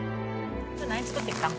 今日何作ってきたん？